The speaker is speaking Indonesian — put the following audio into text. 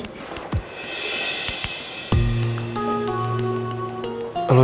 dia udah punya suami